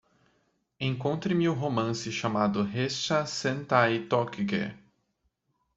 Encontre-me o romance chamado Ressha Sentai ToQger